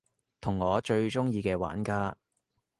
同我最鍾意嘅玩家